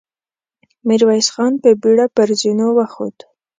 ميرويس خان په بېړه پر زينو وخوت.